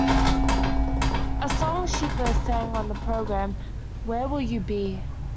A song she first sang on the programme, Where Will You Be?